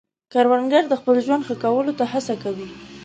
کروندګر د خپل ژوند ښه کولو ته هڅه کوي